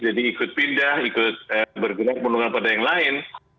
jadi ikut pindah ikut bergerak melakukan pada yang lain